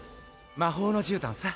「魔法のじゅうたんさ」